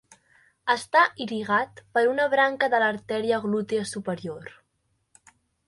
Està irrigat per una branca de l'artèria glútia superior.